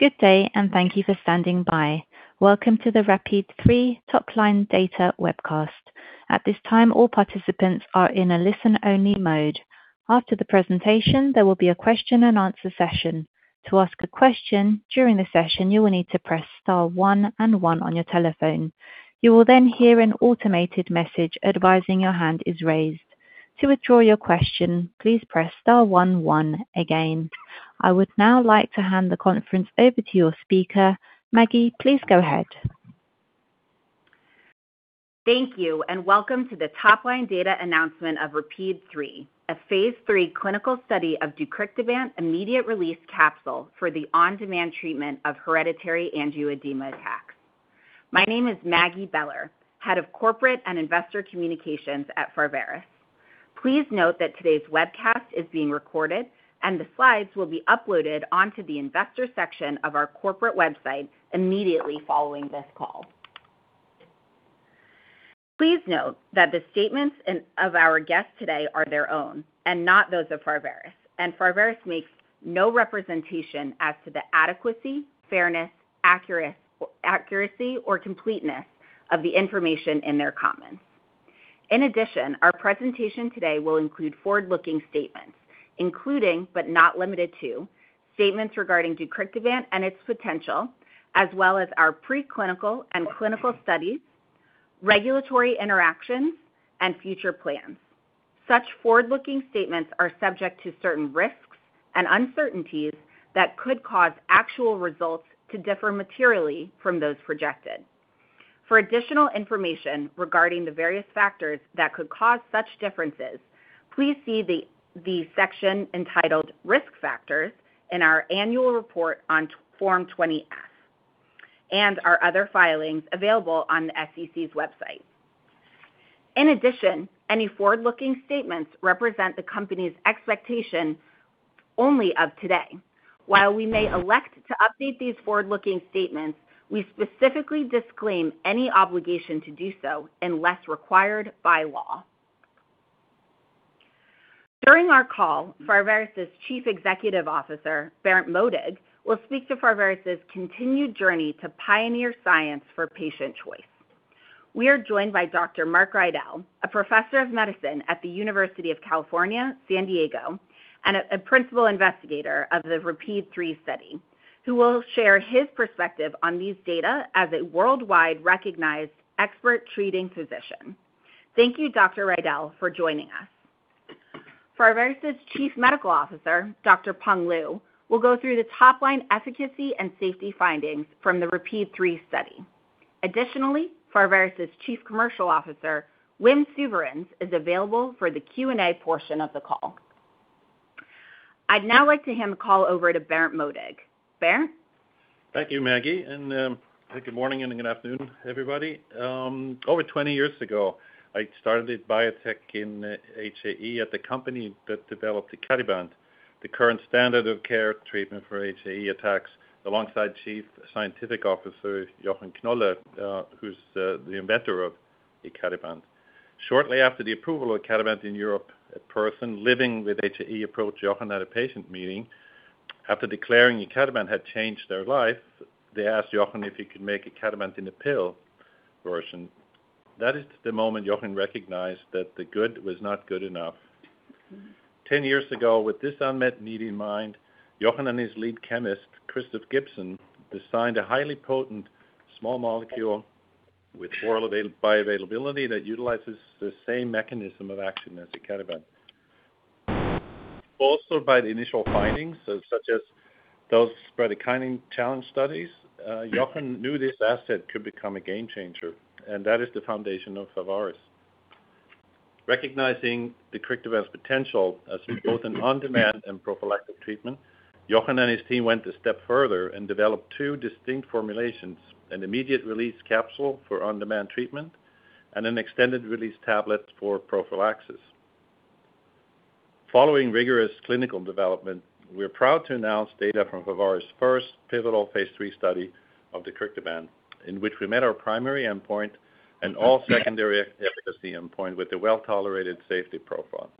Good day, and thank you for standing by. Welcome to the RAPIDe-3 Topline Data webcast. At this time, all participants are in a listen-only mode. After the presentation, there will be a question-and-answer session. To ask a question during the session, you will need to press star one and one on your telephone. You will then hear an automated message advising your hand is raised. To withdraw your question, please press star one, one again. I would now like to hand the conference over to your speaker. Maggie, please go ahead. Thank you, and welcome to the topline data announcement of RAPIDe-3, a phase III clinical study of deucrictibant immediate release capsule for the on-demand treatment of hereditary angioedema attacks. My name is Maggie Beller, Head of Corporate and Investor Communications at Pharvaris. Please note that today's webcast is being recorded, and the slides will be uploaded onto the investor section of our corporate website immediately following this call. Please note that the statements of our guests today are their own and not those of Pharvaris, and Pharvaris makes no representation as to the adequacy, fairness, accuracy, or completeness of the information in their comments. In addition, our presentation today will include forward-looking statements, including but not limited to statements regarding deucrictibant and its potential, as well as our preclinical and clinical studies, regulatory interactions, and future plans. Such forward-looking statements are subject to certain risks and uncertainties that could cause actual results to differ materially from those projected. For additional information regarding the various factors that could cause such differences, please see the section entitled Risk Factors in our annual report on Form 20-F and our other filings available on the SEC's website. In addition, any forward-looking statements represent the company's expectation only of today. While we may elect to update these forward-looking statements, we specifically disclaim any obligation to do so unless required by law. During our call, Pharvaris' Chief Executive Officer, Berndt Modig, will speak to Pharvaris' continued journey to pioneer science for patient choice. We are joined by Dr. Marc Riedl, a Professor of Medicine at the University of California, San Diego, and a Principal Investigator of the RAPIDe-3 study, who will share his perspective on these data as a worldwide-recognized expert treating physician. Thank you, Dr. Riedl, for joining us. Pharvaris' Chief Medical Officer, Dr. Peng Lu, will go through the top-line efficacy and safety findings from the RAPIDe-3 study. Additionally, Pharvaris' Chief Commercial Officer, Wim Souverijns, is available for the Q&A portion of the call. I'd now like to hand the call over to Berndt Modig. Berndt? Thank you, Maggie, and good morning and good afternoon, everybody. Over 20 years ago, I started my career in biotech in HAE at the company that developed icatibant, the current standard of care treatment for HAE attacks, alongside Chief Scientific Officer Jochen Knolle, who's the inventor of icatibant. Shortly after the approval of icatibant in Europe, a person living with HAE approached Jochen at a patient meeting. After declaring icatibant had changed their life, they asked Jochen if he could make icatibant in a pill version. That is the moment Jochen recognized that the good was not good enough. Ten years ago, with this unmet need in mind, Jochen and his lead chemist, Christoph Gibson, designed a highly potent small molecule with poor bioavailability that utilizes the same mechanism of action as icatibant. Also by the initial findings, such as those for the kallikrein challenge studies, Jochen knew this asset could become a game changer, and that is the foundation of Pharvaris. Recognizing deucrictibant's potential as both an on-demand and prophylactic treatment, Jochen and his team went a step further and developed two distinct formulations: an immediate release capsule for on-demand treatment and an extended release tablet for prophylaxis. Following rigorous clinical development, we're proud to announce data from Pharvaris' first pivotal phase 3 study of deucrictibant, in which we met our primary endpoint and all secondary efficacy endpoints with a well-tolerated safety profile.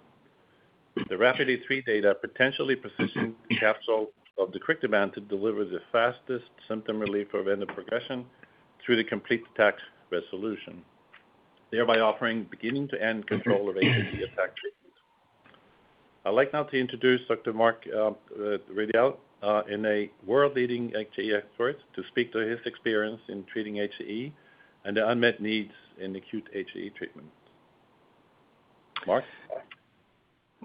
The RAPIDe-3 data potentially positioned the capsule of deucrictibant to deliver the fastest symptom relief of any progression through the complete attack resolution, thereby offering beginning-to-end control of HAE attack treatment. I'd like now to introduce Dr. Marc Riedl, a world-leading HAE expert, to speak to his experience in treating HAE and the unmet needs in acute HAE treatment. Marc.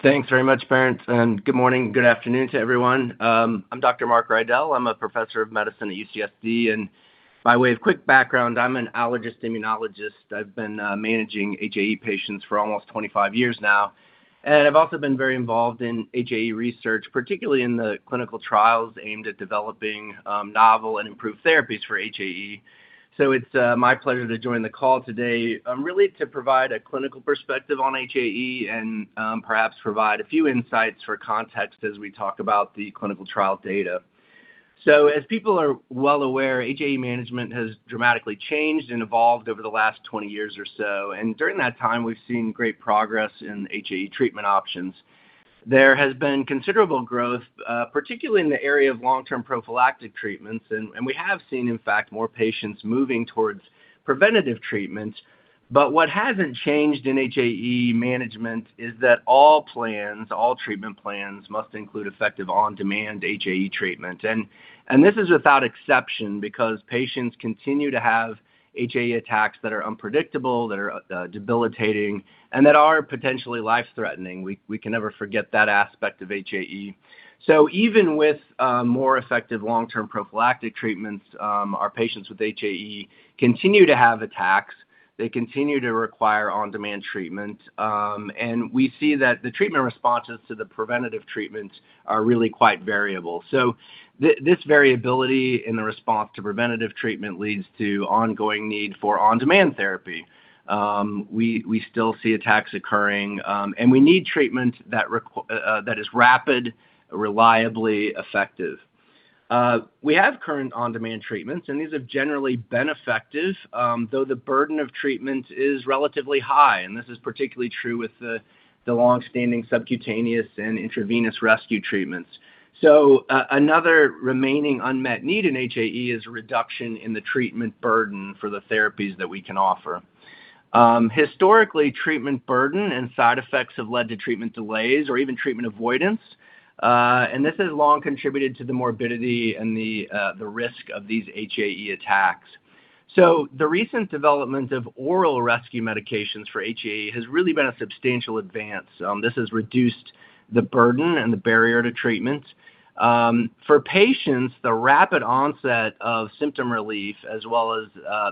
Thanks very much, Berndt, and good morning, good afternoon to everyone. I'm Dr. Marc Riedl. I'm a Professor of Medicine at UCSD, and by way of quick background, I'm an allergist immunologist. I've been managing HAE patients for almost 25 years now, and I've also been very involved in HAE research, particularly in the clinical trials aimed at developing novel and improved therapies for HAE. So it's my pleasure to join the call today, really to provide a clinical perspective on HAE and perhaps provide a few insights for context as we talk about the clinical trial data. So as people are well aware, HAE management has dramatically changed and evolved over the last 20 years or so, and during that time, we've seen great progress in HAE treatment options. There has been considerable growth, particularly in the area of long-term prophylactic treatments, and we have seen, in fact, more patients moving towards preventative treatments. But what hasn't changed in HAE management is that all plans, all treatment plans, must include effective on-demand HAE treatment, and this is without exception because patients continue to have HAE attacks that are unpredictable, that are debilitating, and that are potentially life-threatening. We can never forget that aspect of HAE. So even with more effective long-term prophylactic treatments, our patients with HAE continue to have attacks. They continue to require on-demand treatment, and we see that the treatment responses to the preventative treatments are really quite variable. So this variability in the response to preventative treatment leads to ongoing need for on-demand therapy. We still see attacks occurring, and we need treatment that is rapid, reliably effective. We have current on-demand treatments, and these have generally been effective, though the burden of treatment is relatively high, and this is particularly true with the long-standing subcutaneous and intravenous rescue treatments. So another remaining unmet need in HAE is reduction in the treatment burden for the therapies that we can offer. Historically, treatment burden and side effects have led to treatment delays or even treatment avoidance, and this has long contributed to the morbidity and the risk of these HAE attacks. So the recent development of oral rescue medications for HAE has really been a substantial advance. This has reduced the burden and the barrier to treatment. For patients, the rapid onset of symptom relief, as well as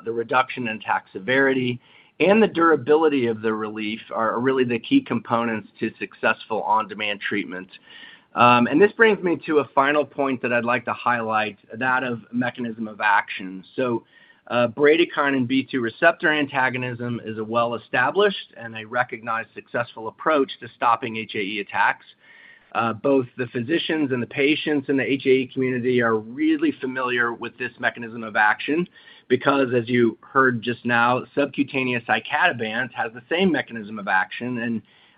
the reduction in attack severity and the durability of the relief, are really the key components to successful on-demand treatment. And this brings me to a final point that I'd like to highlight, that of mechanism of action. So bradykinin B2 receptor antagonism is a well-established and a recognized successful approach to stopping HAE attacks. Both the physicians and the patients in the HAE community are really familiar with this mechanism of action because, as you heard just now, subcutaneous icatibant has the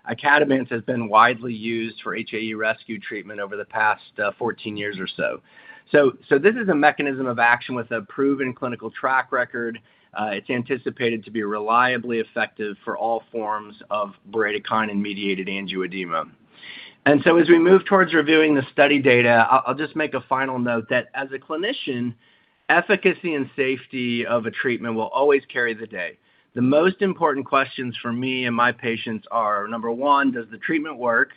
same mechanism of action, and icatibant has been widely used for HAE rescue treatment over the past 14 years or so. So this is a mechanism of action with a proven clinical track record. It's anticipated to be reliably effective for all forms of bradykinin-mediated angioedema. And so as we move towards reviewing the study data, I'll just make a final note that as a clinician, efficacy and safety of a treatment will always carry the day. The most important questions for me and my patients are, number one, does the treatment work?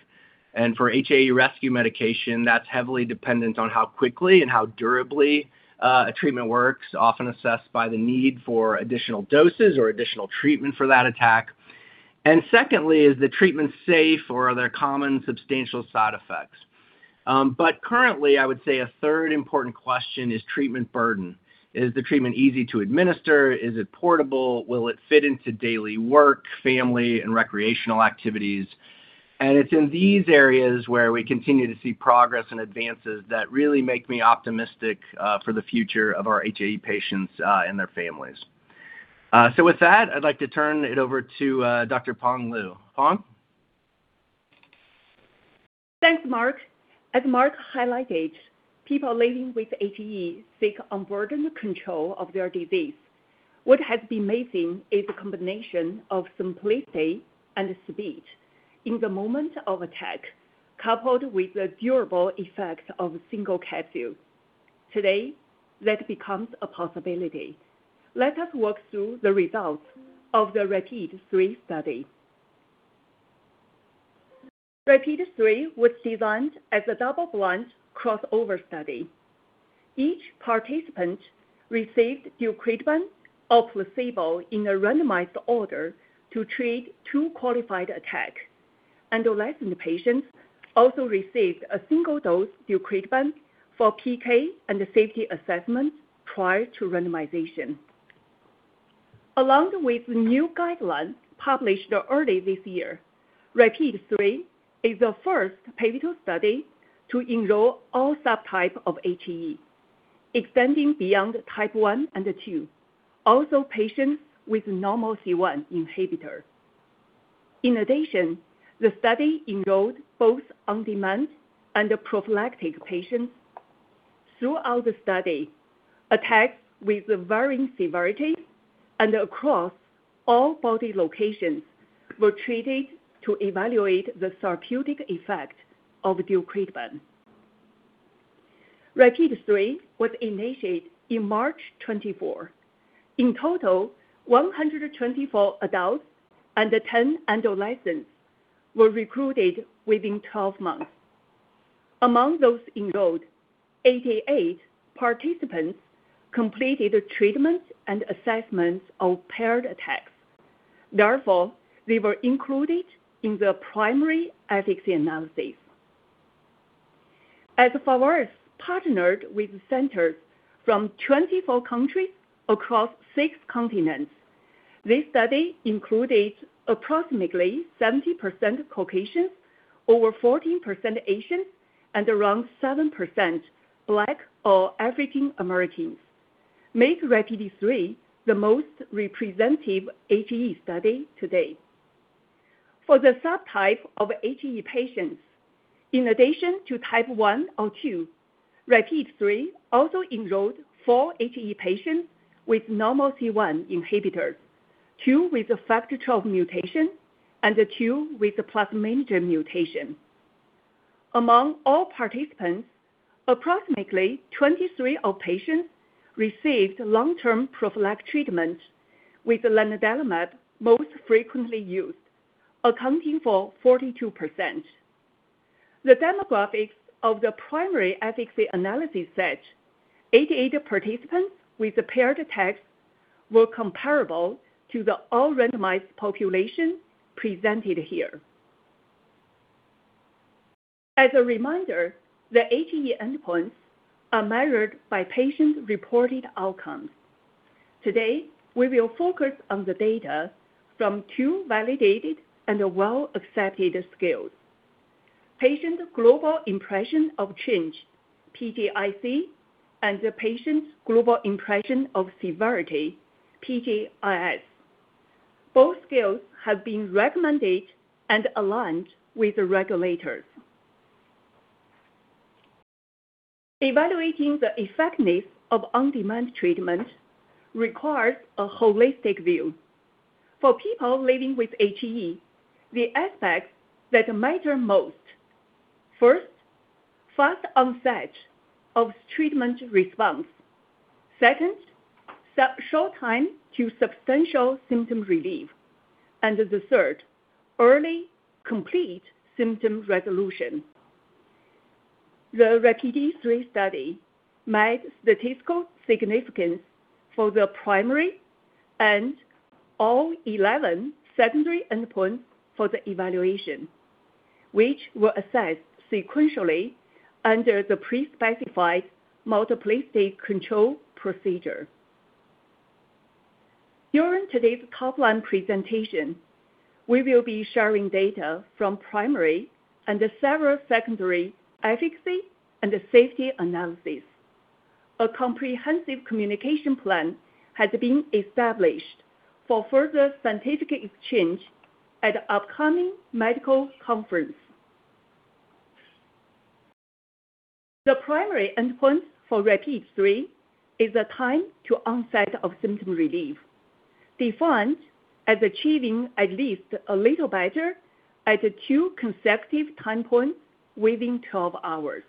And for HAE rescue medication, that's heavily dependent on how quickly and how durably a treatment works, often assessed by the need for additional doses or additional treatment for that attack. And secondly, is the treatment safe or are there common, substantial side effects? But currently, I would say a third important question is treatment burden. Is the treatment easy to administer? Is it portable? Will it fit into daily work, family, and recreational activities? And it's in these areas where we continue to see progress and advances that really make me optimistic for the future of our HAE patients and their families. So with that, I'd like to turn it over to Dr. Peng Lu. Peng? Thanks, Marc. As Marc highlighted, people living with HAE seek unburdened control of their disease. What has been missing is a combination of simplicity and speed in the moment of attack, coupled with the durable effect of single capsule. Today, that becomes a possibility. Let us walk through the results of the RAPIDe-3 study. RAPIDe-3 was designed as a double-blind crossover study. Each participant received deucrictibant or placebo in a randomized order to treat two qualified attacks, and the licensed patients also received a single dose deucrictibant for PK and safety assessment prior to randomization. Along with new guidelines published early this year, RAPIDe-3 is the first pivotal study to enroll all subtypes of HAE, extending beyond type 1 and 2, also patients with normal C1 inhibitor. In addition, the study enrolled both on-demand and prophylactic patients. Throughout the study, attacks with varying severity and across all body locations were treated to evaluate the therapeutic effect of deucrictibant. RAPIDe-3 was initiated in March 2024. In total, 124 adults and 10 adolescents were recruited within 12 months. Among those enrolled, 88 participants completed treatment and assessments of paired attacks. Therefore, they were included in the primary efficacy analysis. As Pharvaris partnered with centers from 24 countries across six continents, this study included approximately 70% Caucasians, over 14% Asians, and around 7% Black or African Americans, making RAPIDe-3 the most representative HAE study today. For the subtype of HAE patients, in addition to type 1 or 2, RAPIDe-3 also enrolled four HAE patients with normal C1 inhibitors, two with factor XII mutation, and two with the Plasminogen mutation. Among all participants, approximately 23% of patients received long-term prophylactic treatment with lanadelumab most frequently used, accounting for 42%. The demographics of the primary efficacy analysis set 88 participants with paired attacks were comparable to the all-randomized population presented here. As a reminder, the HAE endpoints are measured by patient-reported outcomes. Today, we will focus on the data from two validated and well-accepted scales: Patient Global Impression of Change (PGIC) and Patient Global Impression of Severity (PGIS). Both scales have been recommended and aligned with the regulators. Evaluating the effectiveness of on-demand treatment requires a holistic view. For people living with HAE, the aspects that matter most: first, fast onset of treatment response; second, short time to substantial symptom relief; and the third, early complete symptom resolution. The RAPIDe-3 study made statistical significance for the primary and all 11 secondary endpoints for the evaluation, which were assessed sequentially under the pre-specified multiplicity control procedure. During today's top-line presentation, we will be sharing data from primary and several secondary efficacy and safety analyses. A comprehensive communication plan has been established for further scientific exchange at the upcoming medical conference. The primary endpoint for RAPIDe-3 is the time to onset of symptom relief, defined as achieving at least a little better at two consecutive time points within 12 hours.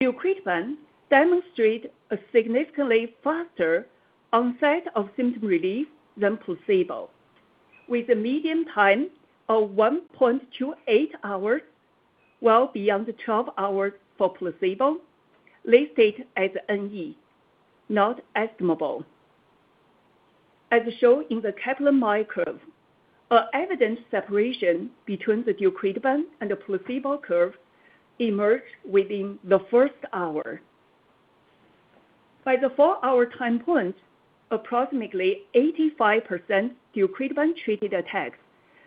Deucrictibant demonstrated a significantly faster onset of symptom relief than placebo, with a median time of 1.28 hours, well beyond 12 hours for placebo, listed as NE, not estimable. As shown in the Kaplan-Meier curve, an evident separation between the deucrictibant and the placebo curve emerged within the first hour. By the four-hour time point, approximately 85% deucrictibant-treated attacks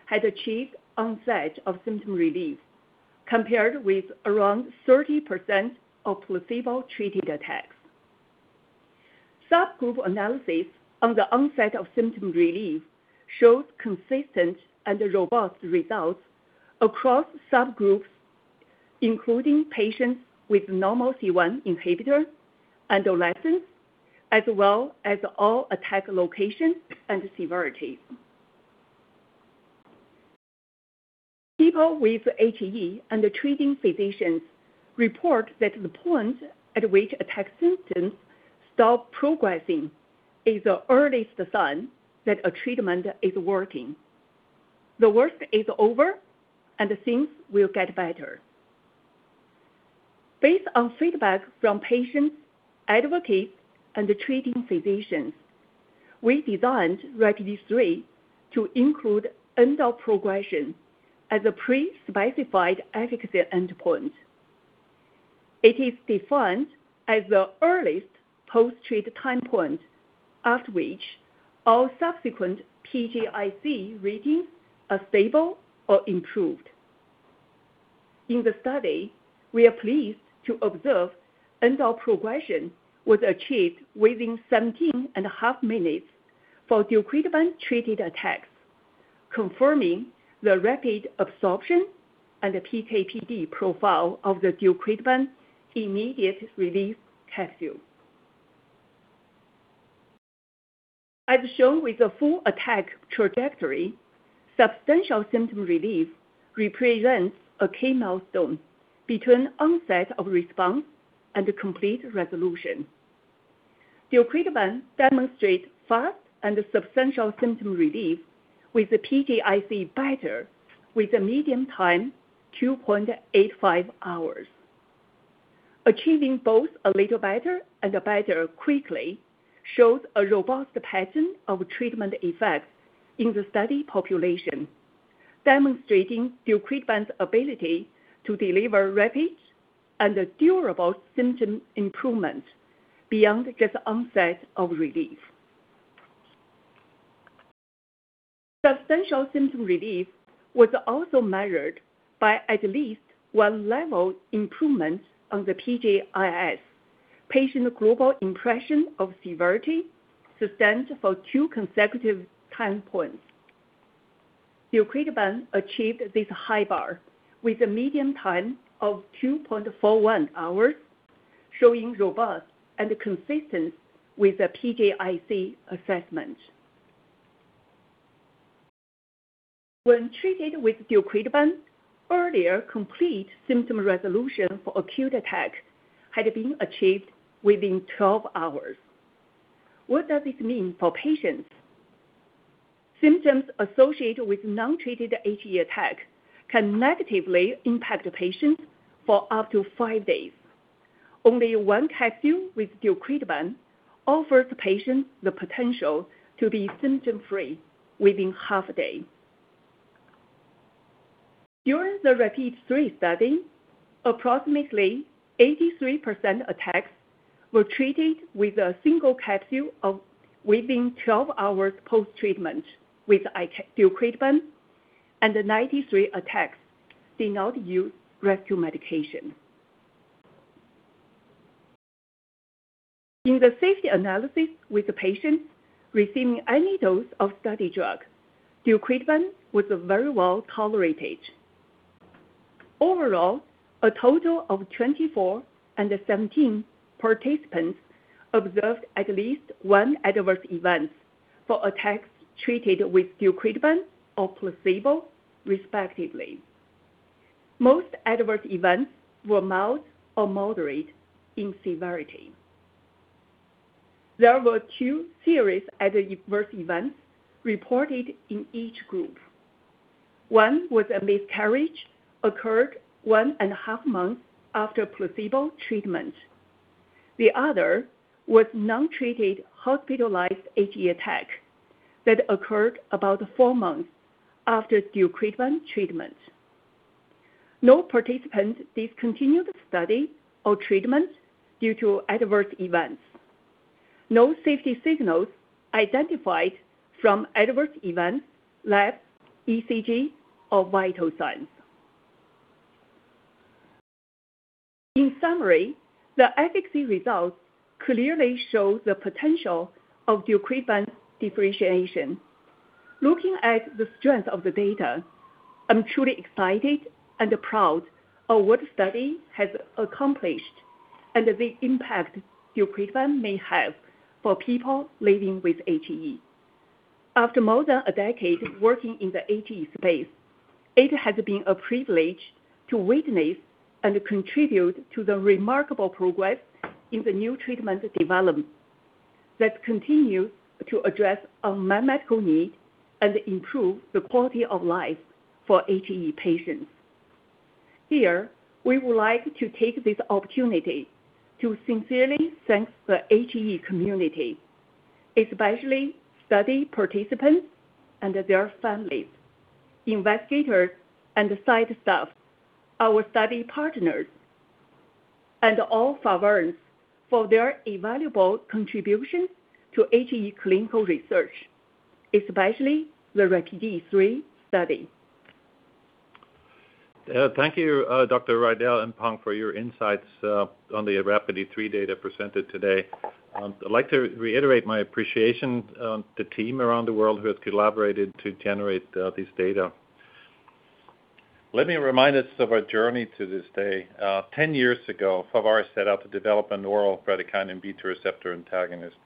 had achieved onset of symptom relief, compared with around 30% of placebo-treated attacks. Subgroup analysis on the onset of symptom relief showed consistent and robust results across subgroups, including patients with normal C1 inhibitor and HAE-nC1-INH, as well as all attack locations and severity. People with HAE and treating physicians report that the point at which attack symptoms stop progressing is the earliest sign that a treatment is working. The worst is over, and things will get better. Based on feedback from patients, advocates, and treating physicians, we designed RAPIDe-3 to include end-of-progression as a pre-specified efficacy endpoint. It is defined as the earliest post-treat time point, after which all subsequent PGIC readings are stable or improved. In the study, we are pleased to observe end-of-progression was achieved within 17 and a half minutes for deucrictibant-treated attacks, confirming the rapid absorption and PK/PD profile of the deucrictibant immediate release capsule. As shown with the full attack trajectory, substantial symptom relief represents a key milestone between onset of response and complete resolution. deucrictibant demonstrated fast and substantial symptom relief with PGIC better, with a median time 2.85 hours. Achieving both a little better and a better quickly shows a robust pattern of treatment effect in the study population, demonstrating deucrictibant's ability to deliver rapid and durable symptom improvement beyond just onset of relief. Substantial symptom relief was also measured by at least one level improvement on the PGIS, Patient Global Impression of Severity sustained for two consecutive time points. Deucrictibant achieved this high bar with a median time of 2.41 hours, showing robust and consistent with the PGIC assessment. When treated with deucrictibant, earlier complete symptom resolution for acute attack had been achieved within 12 hours. What does this mean for patients? Symptoms associated with non-treated HAE attack can negatively impact patients for up to five days. Only one capsule with deucrictibant offered patients the potential to be symptom-free within half a day. During the RAPIDe-3 study, approximately 83% attacks were treated with a single capsule within 12 hours post-treatment with deucrictibant, and 93% attacks did not use rescue medication. In the safety analysis with patients receiving any dose of study drug, deucrictibant was very well tolerated. Overall, a total of 24 and 17 participants observed at least one adverse event for attacks treated with deucrictibant or placebo, respectively. Most adverse events were mild or moderate in severity. There were two serious adverse events reported in each group. One was a miscarriage occurred one and a half months after placebo treatment. The other was non-treated hospitalized HAE attack that occurred about four months after deucrictibant treatment. No participant discontinued study or treatment due to adverse events. No safety signals identified from adverse events, labs, ECG, or vital signs. In summary, the efficacy results clearly show the potential of deucrictibant differentiation. Looking at the strength of the data, I'm truly excited and proud of what the study has accomplished and the impact deucrictibant may have for people living with HAE. After more than a decade working in the HAE space, it has been a privilege to witness and contribute to the remarkable progress in the new treatment development that continues to address our medical need and improve the quality of life for HAE patients. Here, we would like to take this opportunity to sincerely thank the HAE community, especially study participants and their families, investigators and site staff, our study partners, and all Pharvaris for their invaluable contribution to HAE clinical research, especially the RAPID 3 study. Thank you, Dr. Riedl and Peng, for your insights on the RAPID 3 data presented today. I'd like to reiterate my appreciation to the team around the world who has collaborated to generate this data. Let me remind us of our journey to this day. Ten years ago, Pharvaris set out to develop an oral bradykinin B2 receptor antagonist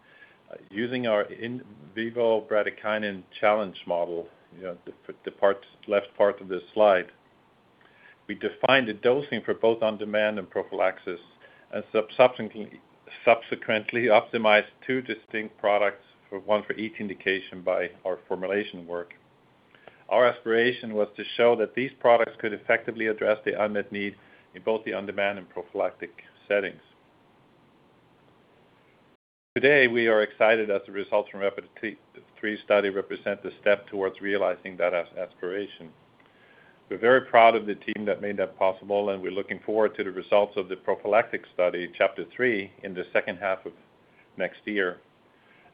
using our in vivo bradykinin challenge model. The left part of the slide, we defined the dosing for both on-demand and prophylaxis and subsequently optimized two distinct products, one for each indication by our formulation work. Our aspiration was to show that these products could effectively address the unmet need in both the on-demand and prophylactic settings. Today, we are excited as the results from RAPIDe-3 study represent the step towards realizing that aspiration. We're very proud of the team that made that possible, and we're looking forward to the results of the prophylactic study, CHAPTER-3, in the second half of next year.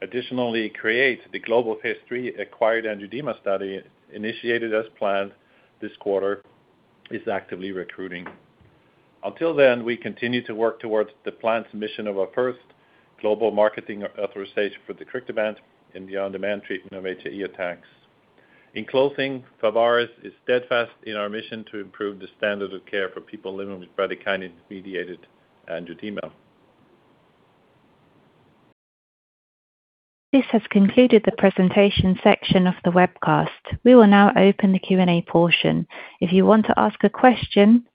Additionally, CREATE, the Global Registry Acquired Angioedema Study initiated as planned this quarter, is actively recruiting. Until then, we continue to work towards the planned submission of a first global marketing authorization for deucrictibant in the on-demand treatment of HAE attacks. In closing, Pharvaris is steadfast in our mission to improve the standard of care for people living with bradykinin-mediated angioedema. This has concluded the presentation section of the webcast. We will now open the Q&A portion. If you want to ask a question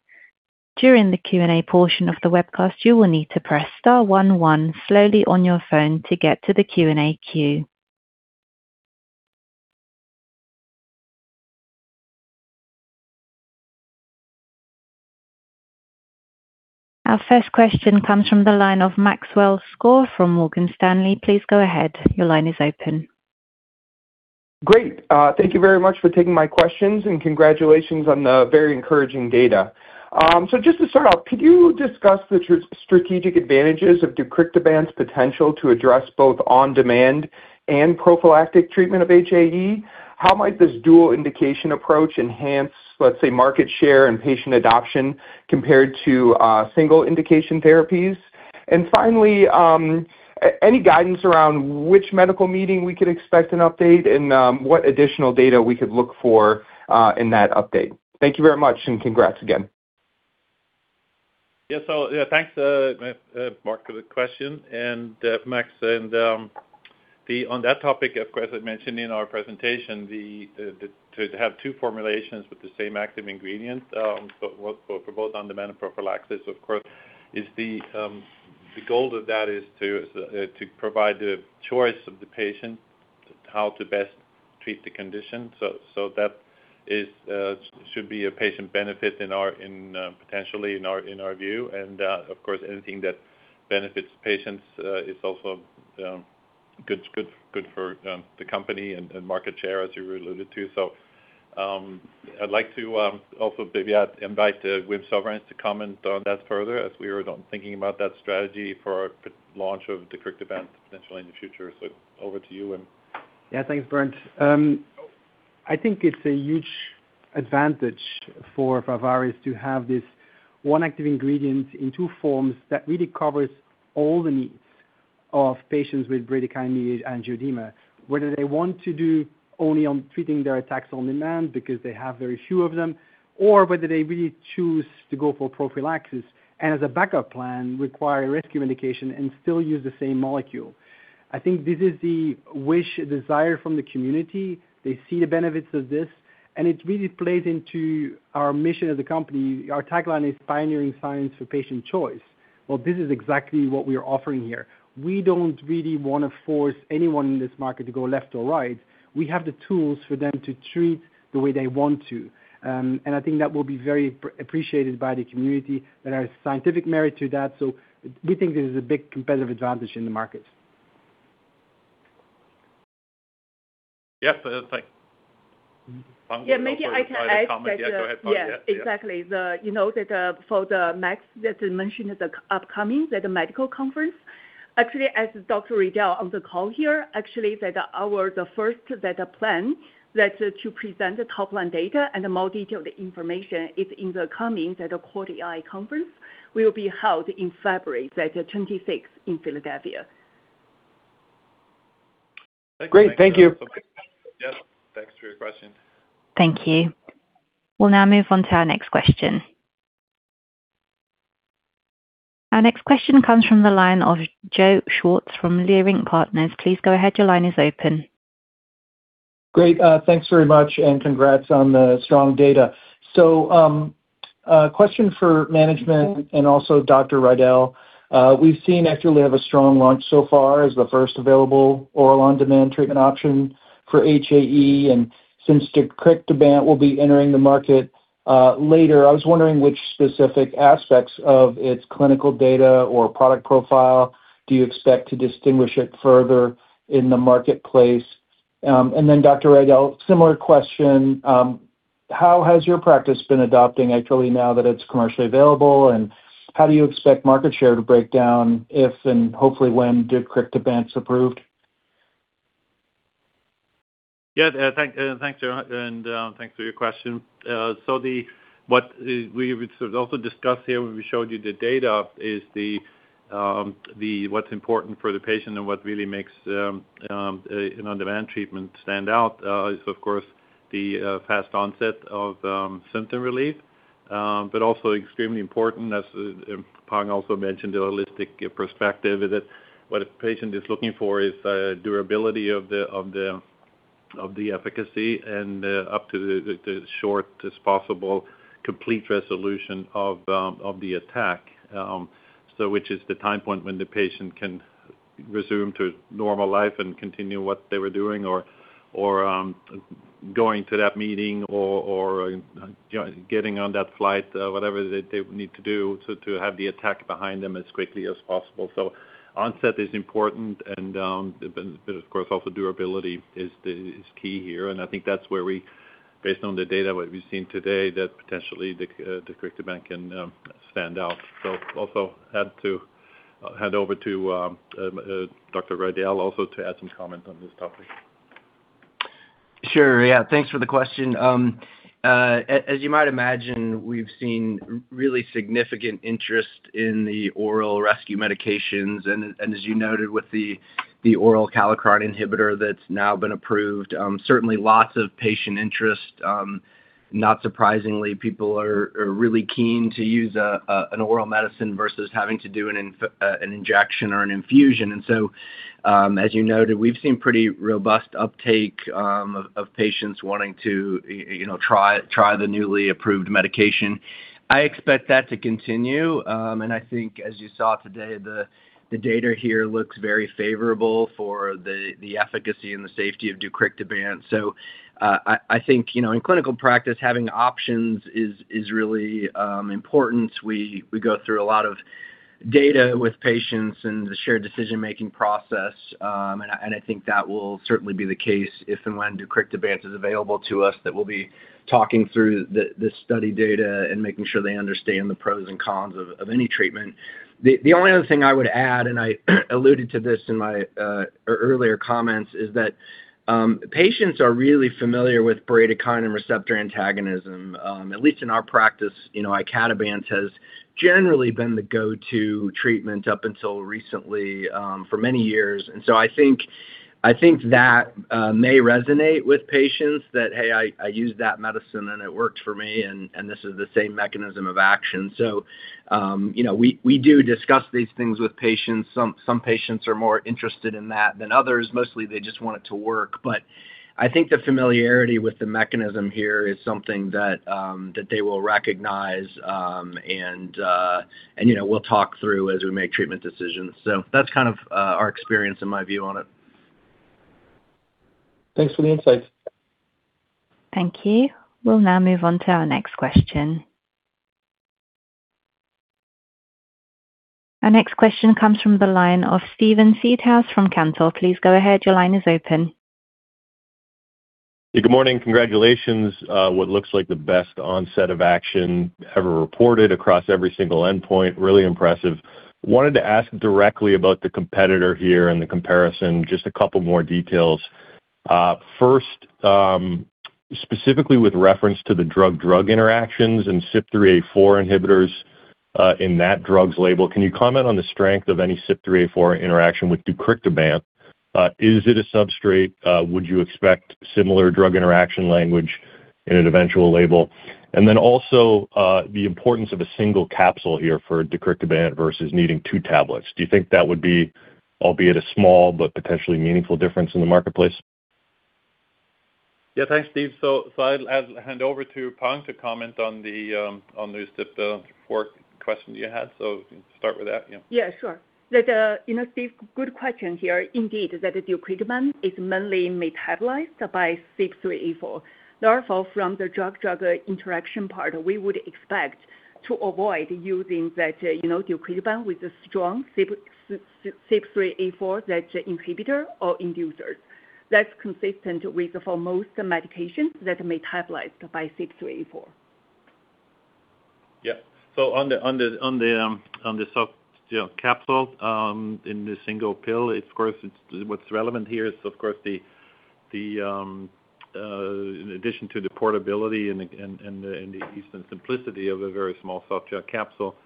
during the Q&A portion of the webcast, you will need to press star 11 slowly on your phone to get to the Q&A queue. Our first question comes from the line of Maxwell Skor from Morgan Stanley. Please go ahead. Your line is open. Great. Thank you very much for taking my questions, and congratulations on the very encouraging data. So just to start off, could you discuss the strategic advantages of deucrictibant's potential to address both on-demand and prophylactic treatment of HAE? How might this dual indication approach enhance, let's say, market share and patient adoption compared to single indication therapies? And finally, any guidance around which medical meeting we could expect an update and what additional data we could look for in that update? Thank you very much, and congrats again. Yes. So thanks, Max, for the question. And Max, and on that topic, of course, I mentioned in our presentation to have two formulations with the same active ingredient for both on-demand and prophylaxis. Of course, the goal of that is to provide the choice of the patient how to best treat the condition. So that should be a patient benefit potentially in our view. And of course, anything that benefits patients is also good for the company and market share, as you alluded to. So I'd like to also invite Wim Souverijns to comment on that further as we were thinking about that strategy for launch of deucrictibant potentially in the future. So over to you, Wim. Yeah. Thanks, Berndt. I think it's a huge advantage for Pharvaris to have this one active ingredient in two forms that really covers all the needs of patients with bradykinin-mediated angioedema, whether they want to do only on treating their attacks on demand because they have very few of them, or whether they really choose to go for prophylaxis and, as a backup plan, require rescue medication and still use the same molecule. I think this is the wish, desire from the community. They see the benefits of this, and it really plays into our mission as a company. Our tagline is pioneering science for patient choice. Well, this is exactly what we are offering here. We don't really want to force anyone in this market to go left or right. We have the tools for them to treat the way they want to. And I think that will be very appreciated by the community. There is scientific merit to that. So we think this is a big competitive advantage in the market. Yes. Thanks. Yeah. Maybe I can add something. Yeah. Go ahead. Yeah. Exactly. You know that for the next that mentioned the upcoming medical conference, actually, as Dr. Riedl on the call here, actually, our first plan to present top-line data and more detailed information is in the coming AAAAI conference. We will be held in February 2026 in Philadelphia. Great. Thank you. Yes. Thanks for your question. Thank you. We'll now move on to our next question. Our next question comes from the line of Joe Schwartz from Leerink Partners. Please go ahead. Your line is open. Great. Thanks very much, and congrats on the strong data. So question for management and also Dr. Riedl. We've seen actually have a strong launch so far as the first available oral on-demand treatment option for HAE. And since deucrictibant will be entering the market later, I was wondering which specific aspects of its clinical data or product profile do you expect to distinguish it further in the marketplace? And then, Dr. Riedl, similar question. How has your practice been adopting actually now that it's commercially available? And how do you expect market share to break down if and hopefully when deucrictibant's approved? Yeah. Thanks, Joe. And thanks for your question. So what we also discussed here when we showed you the data is what's important for the patient and what really makes an on-demand treatment stand out is, of course, the fast onset of symptom relief, but also extremely important, as Peng also mentioned, the holistic perspective that what a patient is looking for is durability of the efficacy and up to the shortest possible complete resolution of the attack, which is the time point when the patient can resume to normal life and continue what they were doing or going to that meeting or getting on that flight, whatever they would need to do to have the attack behind them as quickly as possible. So onset is important, but of course, also durability is key here. And I think that's where we, based on the data we've seen today, that potentially deucrictibant can stand out. So also hand over to Dr. Riedl also to add some comments on this topic. Sure. Yeah. Thanks for the question. As you might imagine, we've seen really significant interest in the oral rescue medications. And as you noted with the oral kallikrein inhibitor that's now been approved, certainly lots of patient interest. Not surprisingly, people are really keen to use an oral medicine versus having to do an injection or an infusion. And so, as you noted, we've seen pretty robust uptake of patients wanting to try the newly approved medication. I expect that to continue. And I think, as you saw today, the data here looks very favorable for the efficacy and the safety of deucrictibant. So I think in clinical practice, having options is really important. We go through a lot of data with patients and the shared decision-making process. And I think that will certainly be the case if and when deucrictibant is available to us, that we'll be talking through the study data and making sure they understand the pros and cons of any treatment. The only other thing I would add, and I alluded to this in my earlier comments, is that patients are really familiar with bradykinin receptor antagonism. At least in our practice, icatibant has generally been the go-to treatment up until recently for many years. And so I think that may resonate with patients that, "Hey, I used that medicine, and it worked for me, and this is the same mechanism of action." So we do discuss these things with patients. Some patients are more interested in that than others. Mostly, they just want it to work. But I think the familiarity with the mechanism here is something that they will recognize, and we'll talk through as we make treatment decisions. So that's kind of our experience and my view on it. Thanks for the insights. Thank you. We'll now move on to our next question. Our next question comes from the line of Steven Seedhouse from Cantor. Please go ahead. Your line is open. Good morning. Congratulations. What looks like the best onset of action ever reported across every single endpoint. Really impressive. Wanted to ask directly about the competitor here and the comparison, just a couple more details. First, specifically with reference to the drug-drug interactions and CYP3A4 inhibitors in that drug's label, can you comment on the strength of any CYP3A4 interaction with deucrictibant? Is it a substrate? Would you expect similar drug interaction language in an eventual label? And then also the importance of a single capsule here for deucrictibant versus needing two tablets. Do you think that would be, albeit a small but potentially meaningful, difference in the marketplace? Yeah. Thanks, Steve. So I'll hand over to Peng to comment on the CYP3A4 question you had. So start with that. Yeah. Yeah. Sure. Steve, good question here. Indeed, that deucrictibant is mainly metabolized by CYP3A4. Therefore, from the drug-drug interaction part, we would expect to avoid using that deucrictibant with a strong CYP3A4 inhibitor or inducer. That's consistent with for most medications that are metabolized by CYP3A4. Yeah. So on the soft capsule in the single pill, of course, what's relevant here is, of course, in addition to the portability and the ease and simplicity of a very small soft capsule,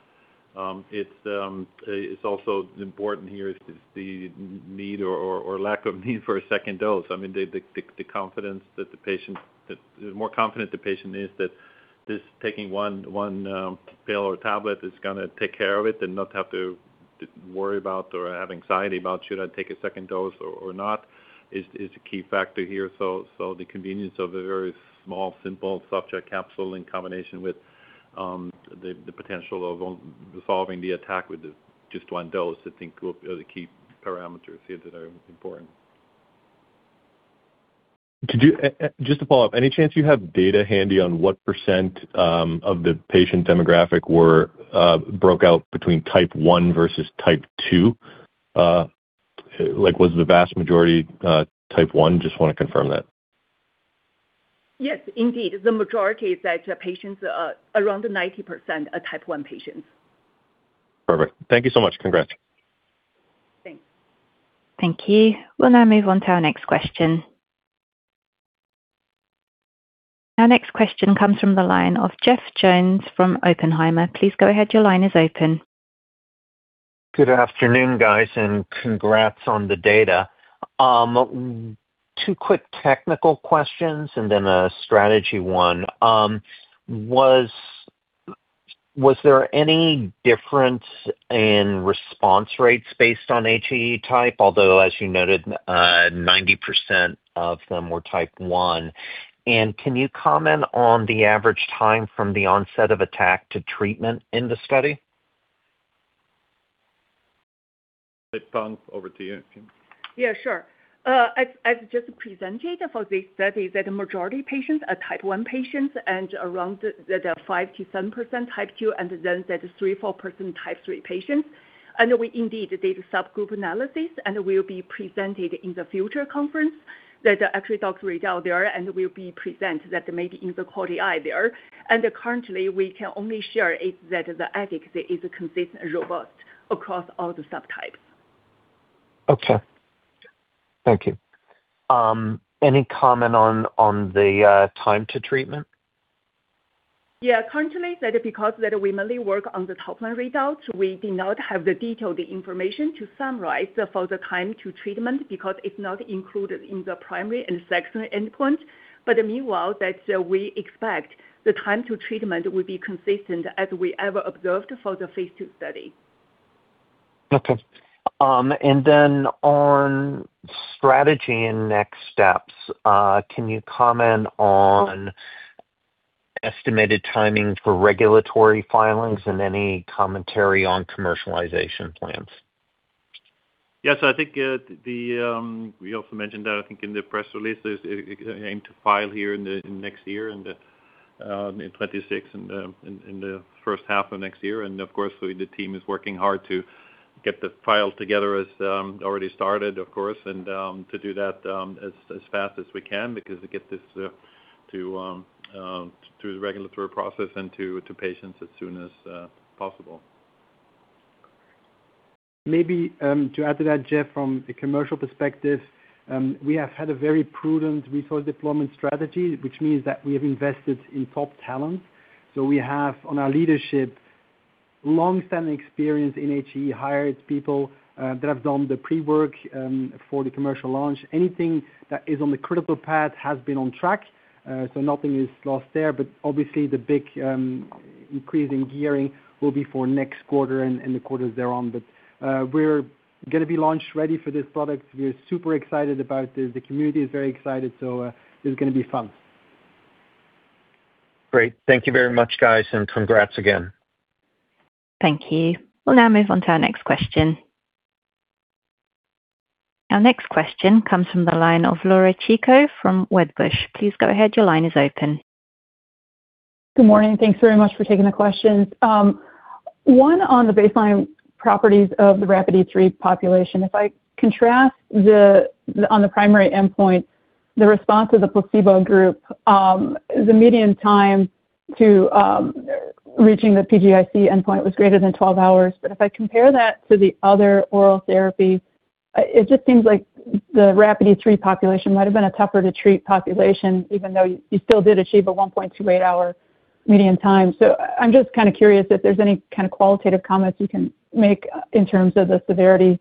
it's also important here is the need or lack of need for a second dose. I mean, the confidence that the patient is more confident the patient is that taking one pill or tablet is going to take care of it and not have to worry about or have anxiety about, "Should I take a second dose or not?" is the key factor here. So the convenience of a very small, simple soft capsule in combination with the potential of resolving the attack with just one dose, I think, will be the key parameters here that are important. Just to follow up, any chance you have data handy on what percent of the patient demographic breakdown between type 1 versus type 2? Was the vast majority type 1? Just want to confirm that. Yes. Indeed. The majority is that patients, around 90% are type 1 patients. Perfect. Thank you so much. Congrats. Thanks. Thank you. We'll now move on to our next question. Our next question comes from the line of Jeff Jones from Oppenheimer. Please go ahead. Your line is open. Good afternoon, guys, and congrats on the data. Two quick technical questions and then a strategy one. Was there any difference in response rates based on HAE type, although, as you noted, 90% of them were type 1? And can you comment on the average time from the onset of attack to treatment in the study? Peng, over to you. Yeah. Sure. As just a presentation for this study, the majority of patients are type 1 patients and around 5%-7% type 2, and then that 3%-4% type 3 patients. And we indeed did subgroup analysis, and we will be presented in the future conference that actually Dr. Riedl there, and we'll be present that maybe in the AAAAI there. And currently, we can only share that the efficacy is consistent and robust across all the subtypes. Okay. Thank you. Any comment on the time to treatment? Yeah. Currently, because we mainly work on the top-line results, we do not have the detailed information to summarize for the time to treatment because it's not included in the primary and secondary endpoint. But meanwhile, we expect the time to treatment will be consistent as we ever observed for the phase two study. Okay. And then on strategy and next steps, can you comment on estimated timing for regulatory filings and any commentary on commercialization plans? Yeah. So I think we also mentioned that I think in the press release, there's an aim to file here in the next year, in 2026, and in the first half of next year. And of course, the team is working hard to get the file together as already started, of course, and to do that as fast as we can because we get this to the regulatory process and to patients as soon as possible. Maybe to add to that, Jeff, from a commercial perspective, we have had a very prudent resource deployment strategy, which means that we have invested in top talent. So we have, on our leadership, long-standing experience in HAE, hired people that have done the pre-work for the commercial launch. Anything that is on the critical path has been on track. So nothing is lost there. But obviously, the big increase in gearing will be for next quarter and the quarters thereon. But we're going to be launch ready for this product. We're super excited about this. The community is very excited. So it's going to be fun. Great. Thank you very much, guys, and congrats again. Thank you. We'll now move on to our next question. Our next question comes from the line of Laura Chico from Wedbush. Please go ahead. Your line is open. Good morning. Thanks very much for taking the questions. One on the baseline properties of the RAPIDe-3 population. If I contrast on the primary endpoint, the response of the placebo group, the median time to reaching the PGIC endpoint was greater than 12 hours. But if I compare that to the other oral therapies, it just seems like the RAPIDe-3 population might have been a tougher-to-treat population, even though you still did achieve a 1.28-hour median time. So I'm just kind of curious if there's any kind of qualitative comments you can make in terms of the severity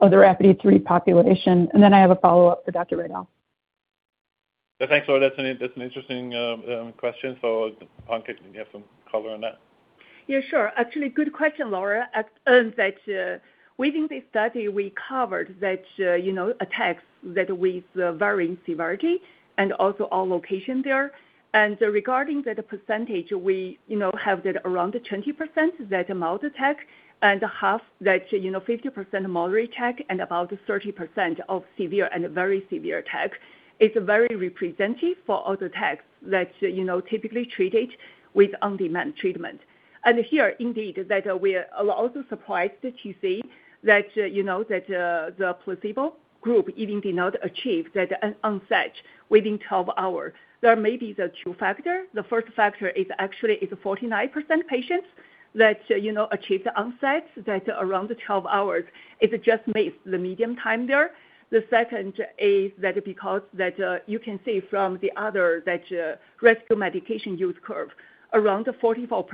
of the RAPIDe-3 population. And then I have a follow-up for Dr. Riedl. Thanks, Laura. That's an interesting question. So Peng, can you have some color on that? Yeah. Sure. Actually, good question, Laura. We think this study we covered that attacks that with varying severity and also all location there. And regarding that percentage, we have that around 20% that mild attack and half that 50% moderate attack and about 30% of severe and very severe attack. It's very representative for all the attacks that typically treated with on-demand treatment. And here, indeed, we are also surprised to see that the placebo group even did not achieve that onset within 12 hours. There may be the two factors. The first factor is actually it's 49% patients that achieved onset that around 12 hours. It just missed the median time there. The second is that because you can see from the other that rescue medication use curve, around 44%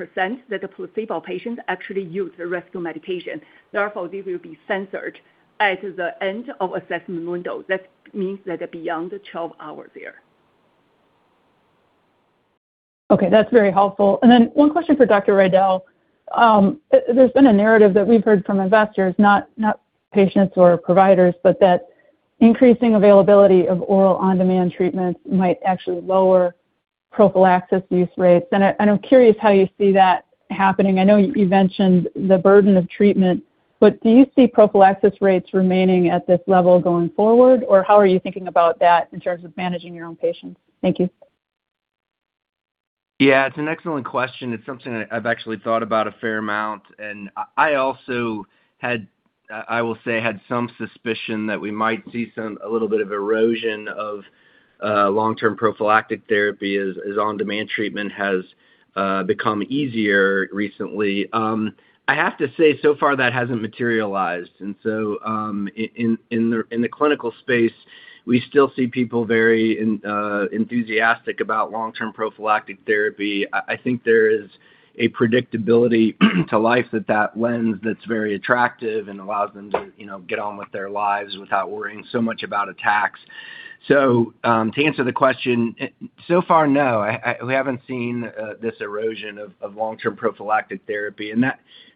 that the placebo patients actually used rescue medication. Therefore, they will be censored at the end of assessment window. That means that beyond 12 hours there. Okay. That's very helpful. And then one question for Dr. Riedl. There's been a narrative that we've heard from investors, not patients or providers, but that increasing availability of oral on-demand treatments might actually lower prophylaxis use rates. And I'm curious how you see that happening. I know you mentioned the burden of treatment, but do you see prophylaxis rates remaining at this level going forward? Or how are you thinking about that in terms of managing your own patients? Thank you. Yeah. It's an excellent question. It's something I've actually thought about a fair amount. And I also, I will say, had some suspicion that we might see a little bit of erosion of long-term prophylactic therapy as on-demand treatment has become easier recently. I have to say, so far, that hasn't materialized. And so in the clinical space, we still see people very enthusiastic about long-term prophylactic therapy. I think there is a predictability to life that lens that's very attractive and allows them to get on with their lives without worrying so much about attacks. So to answer the question, so far, no. We haven't seen this erosion of long-term prophylactic therapy. And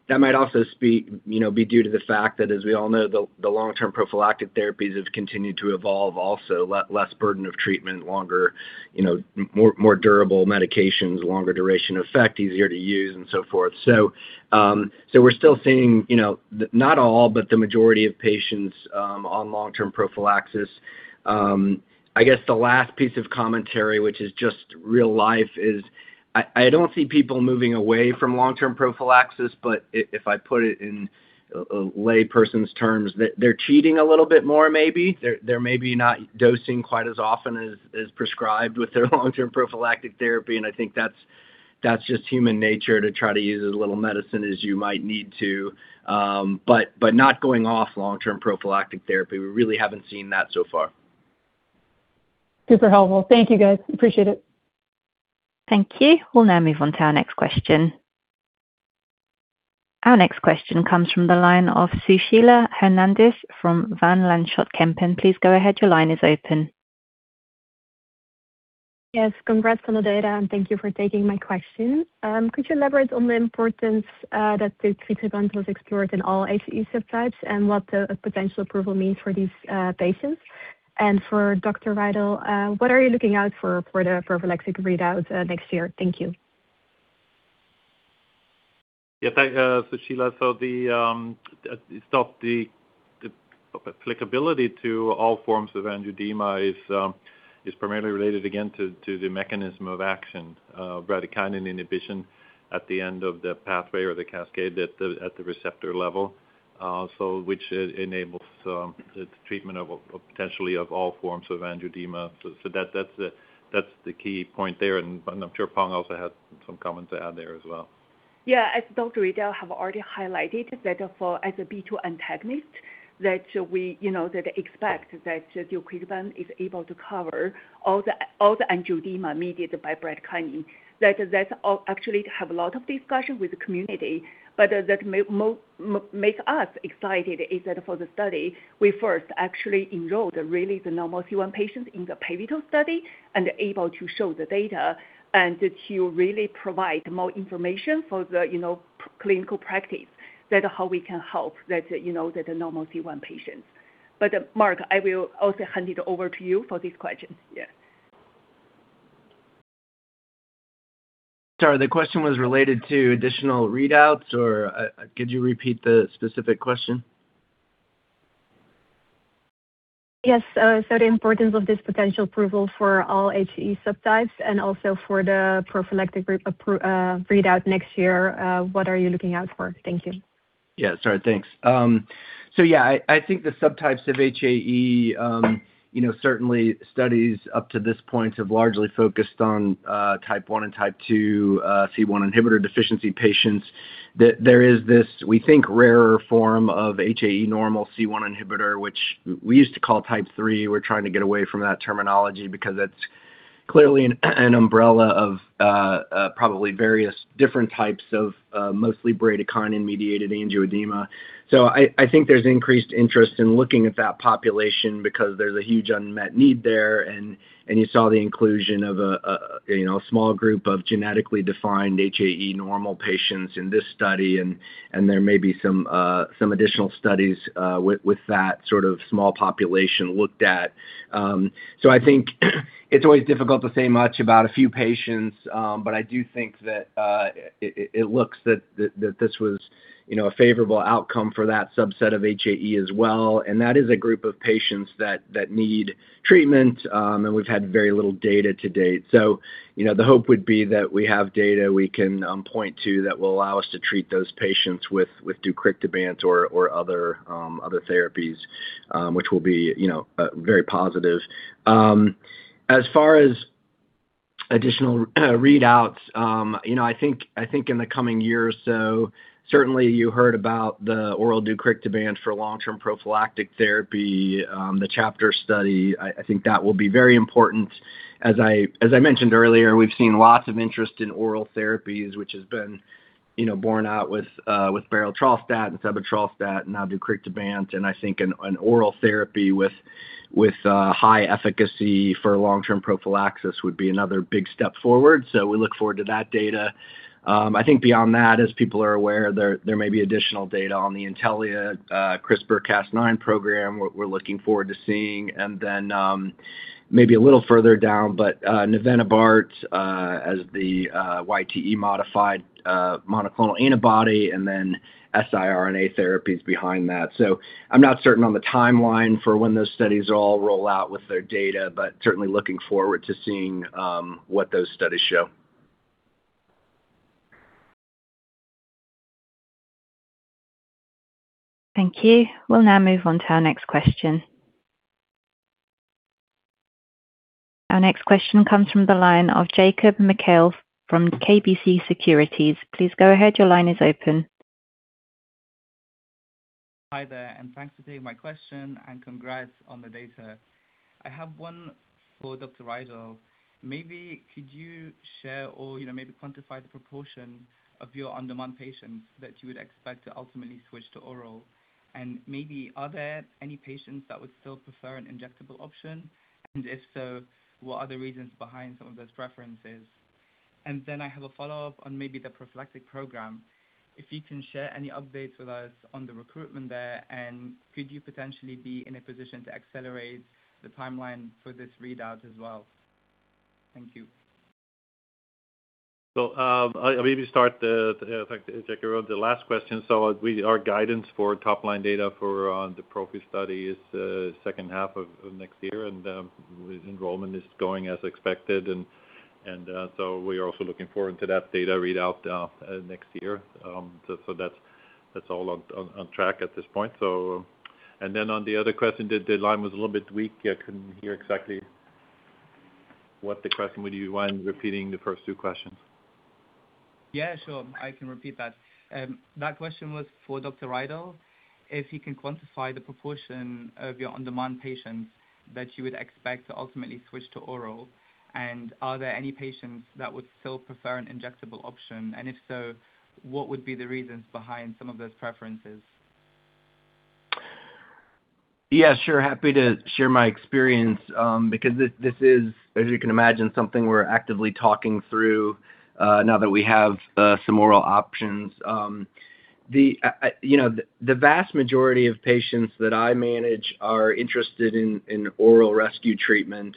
that might also be due to the fact that, as we all know, the long-term prophylactic therapies have continued to evolve also: less burden of treatment, more durable medications, longer duration effect, easier to use, and so forth. So we're still seeing not all, but the majority of patients on long-term prophylaxis. I guess the last piece of commentary, which is just real life, is I don't see people moving away from long-term prophylaxis, but if I put it in a layperson's terms, they're cheating a little bit more, maybe. They're maybe not dosing quite as often as prescribed with their long-term prophylactic therapy. And I think that's just human nature to try to use as little medicine as you might need to. But not going off long-term prophylactic therapy. We really haven't seen that so far. Super helpful. Thank you, guys. Appreciate it. Thank you. We'll now move on to our next question. Our next question comes from the line of Sushila Hernandez from Van Lanschot Kempen. Please go ahead. Your line is open. Yes. Congrats on the data, and thank you for taking my question. Could you elaborate on the importance that the CYP3A4 was explored in all HAE subtypes and what the potential approval means for these patients? And for Dr. Riedl, what are you looking out for for the prophylactic readout next year? Thank you. Yeah. Thanks, Sushila. So it's not the applicability to all forms of angioedema is primarily related, again, to the mechanism of action, bradykinin inhibition at the end of the pathway or the cascade at the receptor level, which enables the treatment of potentially all forms of angioedema. So that's the key point there. And I'm sure Peng also had some comments to add there as well. Yeah. As Dr. Riedl have already highlighted that as a B2 antagonist, that we expect that deucrictibant is able to cover all the angioedema mediated by bradykinin. That's actually have a lot of discussion with the community. But that makes us excited is that for the study, we first actually enrolled really the normal C1 patients in the pivotal study and able to show the data and to really provide more information for the clinical practice that how we can help that normal C1 patients. But Marc, I will also hand it over to you for this question. Yeah. Sorry. The question was related to additional readouts, or could you repeat the specific question? Yes. So the importance of this potential approval for all HAE subtypes and also for the prophylactic readout next year, what are you looking out for? Thank you. Yeah. Sorry. Thanks. So yeah, I think the subtypes of HAE, certainly studies up to this point have largely focused on type one and type two C1 inhibitor deficiency patients. There is this, we think, rarer form of HAE normal C1 inhibitor, which we used to call type 3. We're trying to get away from that terminology because that's clearly an umbrella of probably various different types of mostly bradykinin-mediated angioedema. So I think there's increased interest in looking at that population because there's a huge unmet need there. And you saw the inclusion of a small group of genetically defined HAE normal patients in this study. And there may be some additional studies with that sort of small population looked at. So I think it's always difficult to say much about a few patients, but I do think that it looks that this was a favorable outcome for that subset of HAE as well. And that is a group of patients that need treatment, and we've had very little data to date. So the hope would be that we have data we can point to that will allow us to treat those patients with deucrictibant or other therapies, which will be very positive. As far as additional readouts, I think in the coming year or so, certainly you heard about the oral deucrictibant for long-term prophylactic therapy, the CHAPTER study. I think that will be very important. As I mentioned earlier, we've seen lots of interest in oral therapies, which has been borne out with berotralstat and sebetralstat and now deucrictibant. And I think an oral therapy with high efficacy for long-term prophylaxis would be another big step forward. So we look forward to that data. I think beyond that, as people are aware, there may be additional data on the Intellia CRISPR-Cas9 program we're looking forward to seeing. And then maybe a little further down, but garadacimab as the YTE-modified monoclonal antibody and then siRNA therapies behind that. So I'm not certain on the timeline for when those studies all roll out with their data, but certainly looking forward to seeing what those studies show. Thank you. We'll now move on to our next question. Our next question comes from the line of Thomas Vranken from KBC Securities. Please go ahead. Your line is open. Hi there, and thanks for taking my question and congrats on the data. I have one for Dr. Riedl. Maybe could you share or maybe quantify the proportion of your on-demand patients that you would expect to ultimately switch to oral? And maybe, are there any patients that would still prefer an injectable option? And if so, what are the reasons behind some of those preferences? And then I have a follow-up on maybe the prophylactic program. If you can share any updates with us on the recruitment there, and could you potentially be in a position to accelerate the timeline for this readout as well? Thank you. So maybe start to check around the last question. So our guidance for top-line data for the prophy study is second half of next year, and enrollment is going as expected. And so we are also looking forward to that data readout next year. So that's all on track at this point. And then on the other question, the line was a little bit weak. I couldn't hear exactly what the question would you want repeating the first two questions? Yeah. Sure. I can repeat that. That question was for Dr. Riedl. If you can quantify the proportion of your on-demand patients that you would expect to ultimately switch to oral, and are there any patients that would still prefer an injectable option? And if so, what would be the reasons behind some of those preferences? Yeah. Sure. Happy to share my experience because this is, as you can imagine, something we're actively talking through now that we have some oral options. The vast majority of patients that I manage are interested in oral rescue treatment.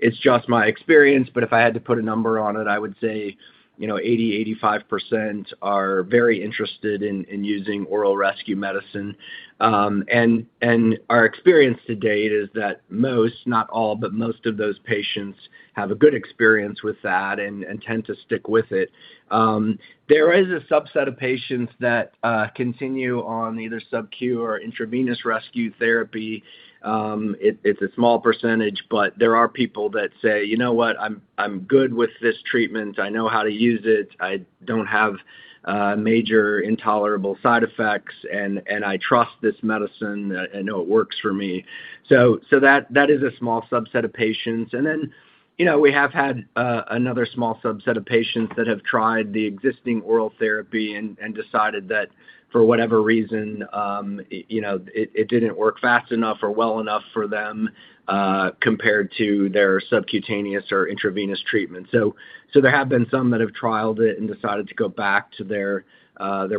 It's just my experience, but if I had to put a number on it, I would say 80%-85% are very interested in using oral rescue medicine. And our experience to date is that most, not all, but most of those patients have a good experience with that and tend to stick with it. There is a subset of patients that continue on either subcu or intravenous rescue therapy. It's a small percentage, but there are people that say, "You know what? I'm good with this treatment. I know how to use it. I don't have major intolerable side effects, and I trust this medicine. I know it works for me." So that is a small subset of patients. And then we have had another small subset of patients that have tried the existing oral therapy and decided that for whatever reason, it didn't work fast enough or well enough for them compared to their subcutaneous or intravenous treatment. So there have been some that have trialed it and decided to go back to their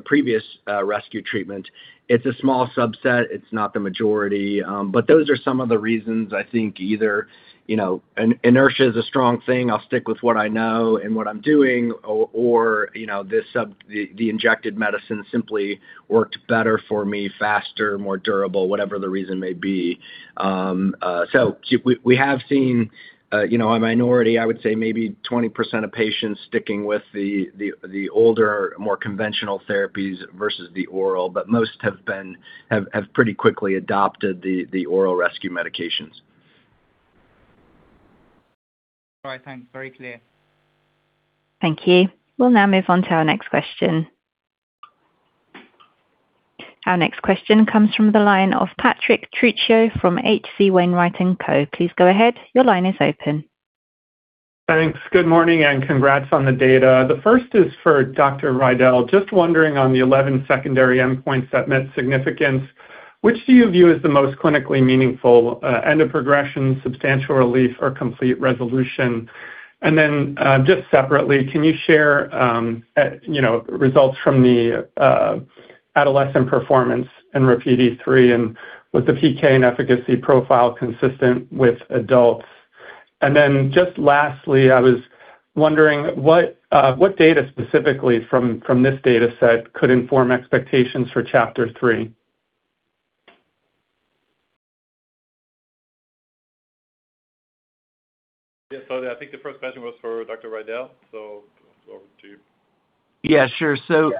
previous rescue treatment. It's a small subset. It's not the majority. But those are some of the reasons, I think, either inertia is a strong thing. I'll stick with what I know and what I'm doing, or the injected medicine simply worked better for me faster, more durable, whatever the reason may be. So we have seen a minority, I would say maybe 20% of patients sticking with the older, more conventional therapies versus the oral, but most have pretty quickly adopted the oral rescue medications. All right. Thanks. Very clear. Thank you. We'll now move on to our next question. Our next question comes from the line of Patrick Trucchio from H.C. Wainwright & Co. Please go ahead. Your line is open. Thanks. Good morning and congrats on the data. The first is for Dr. Riedl. Just wondering on the 11 secondary endpoints that met significance, which do you view as the most clinically meaningful: end of progression, substantial relief, or complete resolution? And then just separately, can you share results from the adolescent performance in RAPIDe-3, and was the PK and efficacy profile consistent with adults? And then just lastly, I was wondering what data specifically from this dataset could inform expectations for CHAPTER-3? Yeah. So I think the first question was for Dr. Riedl, so over to you. Yeah. Sure. So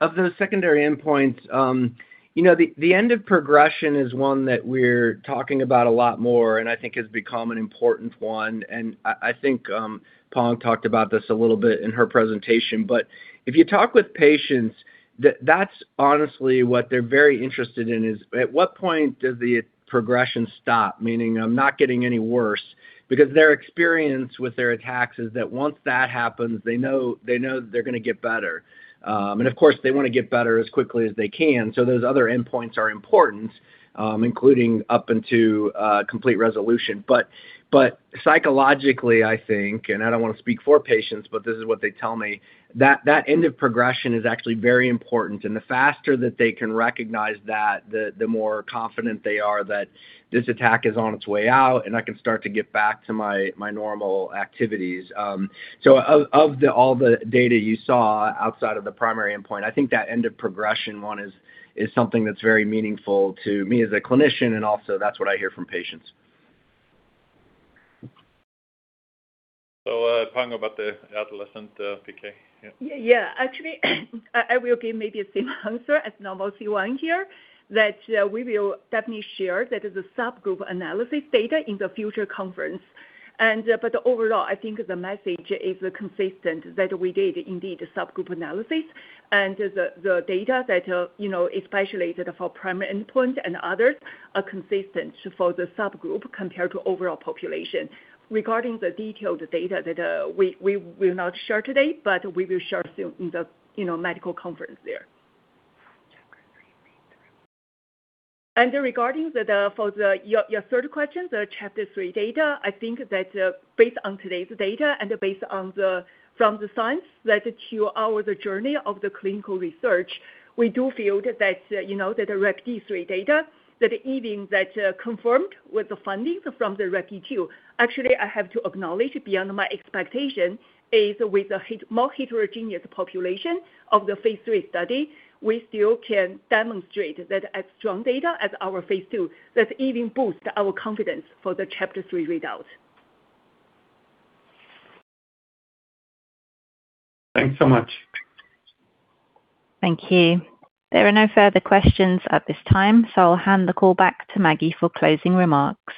of those secondary endpoints, the end of progression is one that we're talking about a lot more and I think has become an important one. And I think Peng talked about this a little bit in her presentation. But if you talk with patients, that's honestly what they're very interested in is at what point does the progression stop, meaning I'm not getting any worse? Because their experience with their attacks is that once that happens, they know that they're going to get better. Of course, they want to get better as quickly as they can. Those other endpoints are important, including up until complete resolution. Psychologically, I think, and I don't want to speak for patients, but this is what they tell me, that end of progression is actually very important. The faster that they can recognize that, the more confident they are that this attack is on its way out, and I can start to get back to my normal activities. Of all the data you saw outside of the primary endpoint, I think that end of progression one is something that's very meaningful to me as a clinician, and also that's what I hear from patients. Peng about the adolescent PK. Yeah. Actually, I will give maybe a similar answer as normal C1 here that we will definitely share that the subgroup analysis data in the future conference. But overall, I think the message is consistent that we did indeed subgroup analysis, and the data that is isolated for primary endpoint and others are consistent for the subgroup compared to overall population. Regarding the detailed data that we will not share today, but we will share soon in the medical conference there. And, regarding your third question, the CHAPTER-3 data, I think that based on today's data and based on the science that to our journey of the clinical research, we do feel that the RAPIDe-3 data that even confirmed with the findings from the RAPID-2, actually, I have to acknowledge beyond my expectation is with a more heterogeneous population of the phase 3 study, we still can demonstrate that as strong data as our phase 2 that even boosts our confidence for the CHAPTER-3 readout. Thanks so much. Thank you. There are no further questions at this time, so I'll hand the call back to Maggie for closing remarks.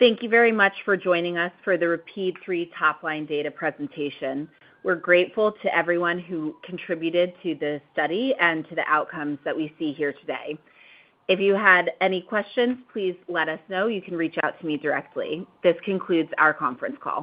Thank you very much for joining us for the RAPIDe-3 top-line data presentation. We're grateful to everyone who contributed to the study and to the outcomes that we see here today. If you had any questions, please let us know. You can reach out to me directly. This concludes our conference call.